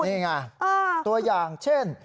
นี่ไงตัวอย่างเช่น